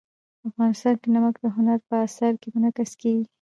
افغانستان کې نمک د هنر په اثار کې منعکس کېږي.